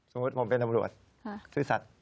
สมมุติผมเป็นตำรวจซื่อสัตว์